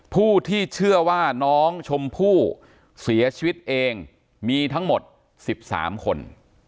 ผู้ที่เชื่อว่าน้องชมพู่เสียชีวิตเองมีทั้งหมด๑๓คน